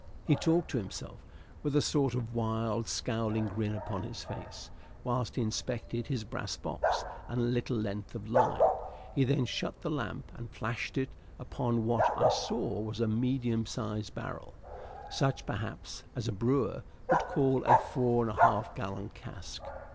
He talked to himself, with a sort of wild, scowling grin upon his face, whilst he inspected his brass box and little length of line; he then shut the lamp and flashed it upon what I saw was a medium sized barrel, such, perhaps, as a brewer would call a four and a half gallon cask.